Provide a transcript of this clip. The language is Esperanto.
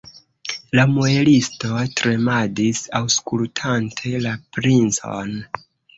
La muelisto tremadis, aŭskultante la princon.